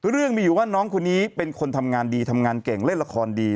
เรื่องมีอยู่ว่าน้องคนนี้เป็นคนทำงานดีทำงานเก่งเล่นละครดี